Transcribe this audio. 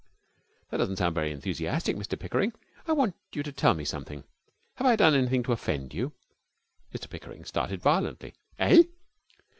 'That doesn't sound very enthusiastic. Mr Pickering, I want you to tell me something. Have I done anything to offend you?' Mr Pickering started violently. 'Eh?'